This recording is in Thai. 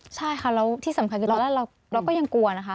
ใช่ค่ะแล้วที่สำคัญคือตอนแรกเราก็ยังกลัวนะคะ